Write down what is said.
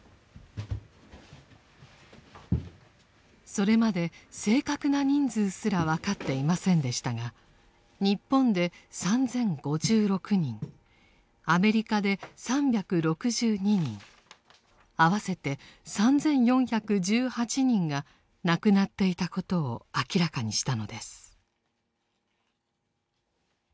それまで正確な人数すら分かっていませんでしたが日本で３０５６人アメリカで３６２人合わせて３４１８人が亡くなっていたことを明らかにしたのです。